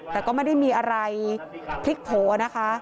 แต่ก็ไม่ได้มีอะไรพลิกโผล่นะคะ